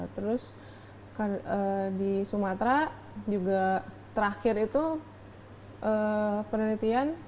terus di sumatera juga terakhir itu penelitian